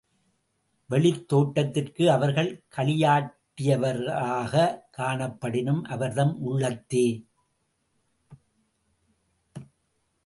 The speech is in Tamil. வெளித் தோற்றத்திற்கு அவர்கள் களியாட்டயர்வதாகக் காணப்படினும், அவர்தம் உள்ளத்தே,.